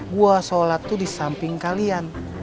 gua sholat itu di samping kalian